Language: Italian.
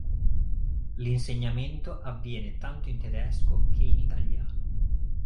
L'insegnamento avviene tanto in tedesco che in italiano.